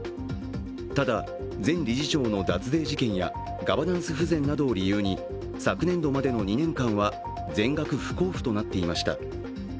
ただ、前理事長の脱税事件やガバナンス不全などを理由に昨年度までの２年間は全額不交付となっていました。